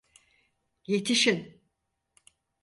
Yetişin!